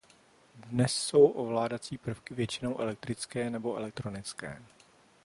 Dnes jsou ovládací prvky většinou elektrické nebo elektronické.